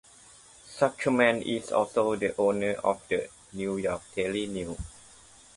Zuckerman is also the owner of the "New York Daily News".